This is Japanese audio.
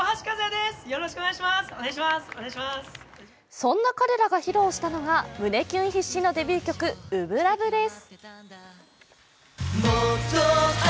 そんな彼らが披露したのが胸キュン必至のデビュー曲「初心ＬＯＶＥ」です。